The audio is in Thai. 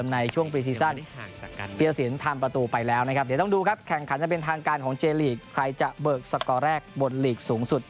ในวันที่๒๓กุมพาพันธุ์